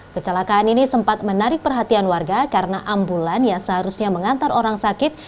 kecelakaan ini sempat menarik perhatian warga karena ambulan yang seharusnya mengantar orang sakit